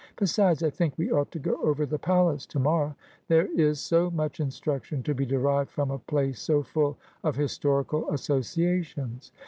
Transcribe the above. Besides, I think we ought to go over the palace to morrow. There is so much instruction to be derived from a place so full of historical associations.'